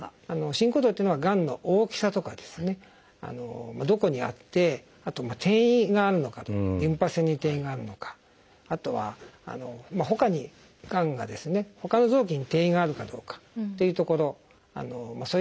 進行度っていうのはがんの大きさとかどこにあってあと転移があるのかとかリンパ節に転移があるのかあとはほかにがんがほかの臓器に転移があるかどうかというところそういったもので決まります。